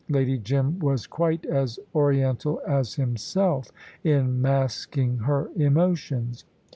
Lady Jim was quite as Oriental as himself in masking her emotions.